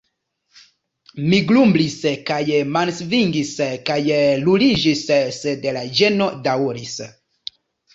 Mi grumblis kaj mansvingis kaj ruliĝis sed la ĝeno daŭris.